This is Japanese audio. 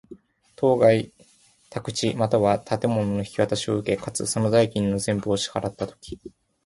当該宅地又は建物の引渡しを受け、かつ、その代金の全部を支払つたとき。